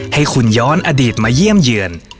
ให้คุณย้อนอดีตมาเยี่ยมเยือน